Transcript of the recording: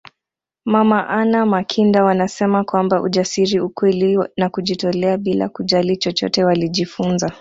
Mama Anna Makinda wanasema kwamba ujasiri ukweli na kujitolea bila kujali chochote walijifunza